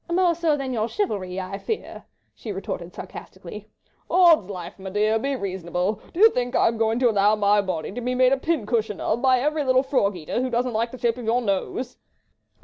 "More so than your chivalry, I fear," she retorted sarcastically. "Odd's life, m'dear! be reasonable! Do you think I am going to allow my body to be made a pincushion of, by every little frog eater who don't like the shape of your nose?"